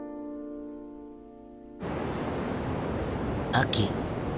秋。